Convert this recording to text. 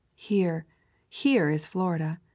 Here, here is Florida!